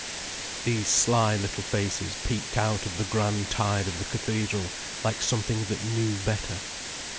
These sly little faces peeped out of the grand tide of the cathedral like something that knew better.